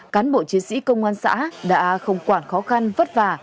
cán bộ chiến sĩ công an xã đã không quản khó khăn vất vả